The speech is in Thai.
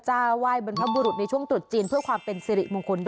เจ้าไหว้บริเวณพระบุรุษในช่วงตรวจจีนเพื่อความเป็นศรีมงคลด้วย